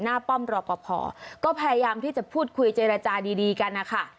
หน้าป้อมรอบกว่าพอก็พยายามที่จะพูดคุยเจรจาดีกันนะค่ะ